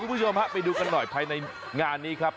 คุณผู้ชมฮะไปดูกันหน่อยภายในงานนี้ครับ